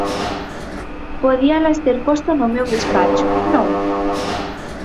–Podíalas ter posto no meu despacho, ¿non?